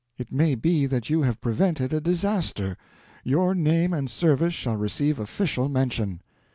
It may be that you have prevented a disaster. Your name and service shall receive official mention."